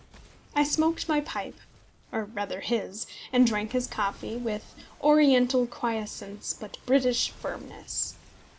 I smoked my pipe, or rather his, and drank his coffee, with oriental quiescence but British firmness.